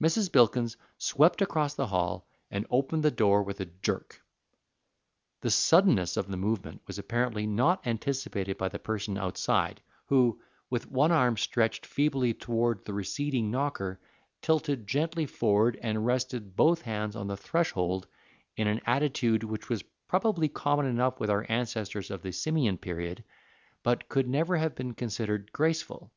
Mrs. Bilkins swept across the hall and opened the door with a jerk. The suddenness of the movement was apparently not anticipated by the person outside, who, with one arm stretched feebly toward the receding knocker, tilted gently forward and rested both hands on the threshold in an attitude which was probably common enough with our ancestors of the Simian period, but could never have been considered graceful.